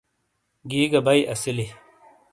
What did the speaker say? گی گہ بئی اسیلی۔